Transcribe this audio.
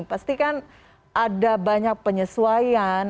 pasti kan ada banyak penyesuaian